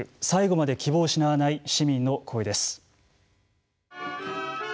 最後まで希望を失わない市民の声です。